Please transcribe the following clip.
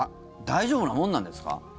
大丈夫なものなんですか？